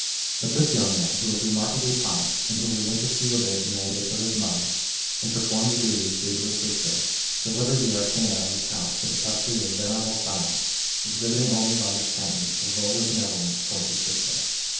But this young man, who was re markably pious, and who religiously obeyed the mandates of his mother, and performed the duties due to his sister, delivered the arcana of his house to the custody of venerable Silence, exhibiting only by his countenance a vulgar bene volence towards his sister.